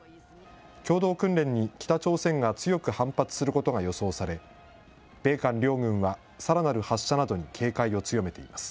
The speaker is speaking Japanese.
共同訓練に北朝鮮が強く反発することが予想され、米韓両軍はさらなる発射などに警戒を強めています。